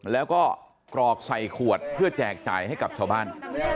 แล้วก็กรอกใส่ขวดเพื่อแจกจ่ายให้กับชาวบ้าน